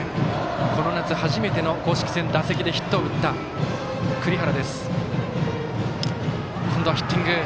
この夏初めての甲子園の打席でヒットを打った栗原。